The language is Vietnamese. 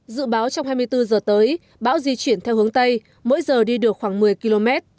dự báo trong hai mươi bốn giờ tới bão di chuyển theo hướng tây mỗi giờ đi được khoảng một mươi km